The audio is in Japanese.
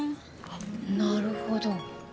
なるほど。